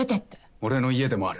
俺の家でもある。